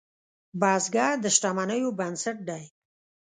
بزګر د شتمنیو بنسټ دی